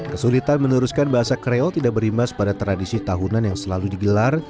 kesulitan meneruskan bahasa kreo tidak berimbas pada tradisi tahunan yang selalu digelar